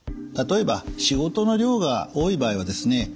例えば仕事の量が多い場合はですね